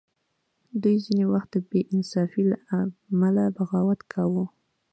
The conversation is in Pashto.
دوی ځینې وخت د بې انصافۍ له امله بغاوت کاوه.